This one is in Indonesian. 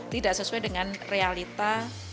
tidak sesuai dengan realita